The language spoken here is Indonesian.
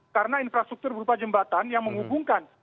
karena infrastruktur berupa jembatan yang menghubungkan